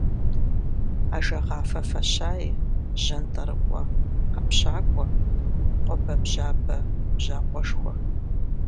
Ажэгъафэ фащае, жьантӏэрыкӏуэ ӏэпщакӏуэ, къуэбэбжьабэ бжьакъуэшхуэ.